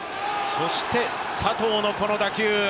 そして佐藤の、この打球。